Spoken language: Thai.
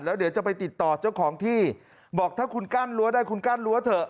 แล้วเดี๋ยวจะไปติดต่อเจ้าของที่บอกถ้าคุณกั้นรั้วได้คุณกั้นรั้วเถอะ